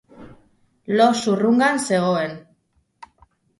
Lo zurrungan zegoen.